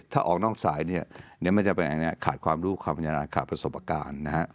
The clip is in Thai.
ถ้าออกนอกสายอันนี้มันจะเป็นอันขาดความรู้ความพัญญาณขาดประสบการณ์